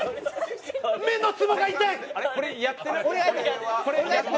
目のツボが痛い。